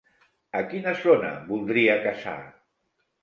A quina zona voldria caçar?